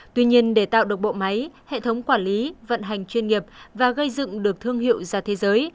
tuy nhiên để tạo được bộ máy hệ thống quản lý vận hành chuyên nghiệp và gây dựng được thương hiệu ra thế giới